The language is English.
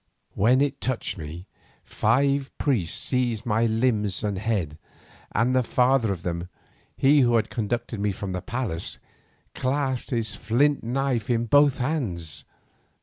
When it touched me, five priests seized my limbs and head, and the father of them, he who had conducted me from the palace, clasped his flint knife in both hands.